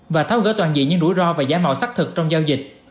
và tháo gỡ toàn dị những rủi ro và giảm bạo xác thực trong giao dịch